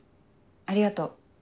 ありがとう。